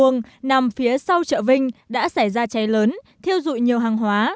nằm phía sau trợ vinh đã xảy ra cháy lớn thiêu dụi nhiều hàng hóa